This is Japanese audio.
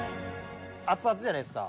熱々じゃないですか。